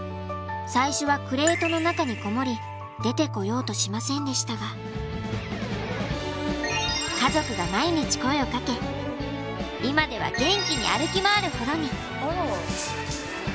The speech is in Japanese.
最初はクレートの中にこもり出てこようとしませんでしたが家族が毎日声をかけ今では元気に歩き回るほどに。